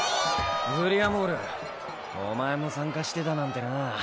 グリアモールお前も参加してたなんてなぁ。